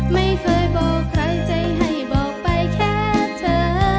ไม่เคยบอกใครใจให้บอกไปแค่เธอ